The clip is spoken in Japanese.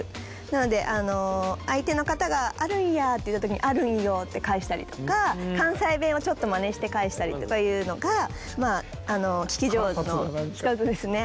なので相手の方があるんやって言った時にあるんよって返したりとか関西弁をちょっとまねして返したりとかいうのが聞き上手の一つですね。